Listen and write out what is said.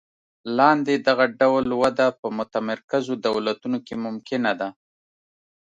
لاندې دغه ډول وده په متمرکزو دولتونو کې ممکنه ده.